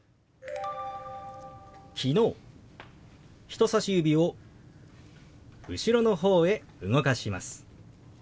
人さし指を後ろのほうへ動かします。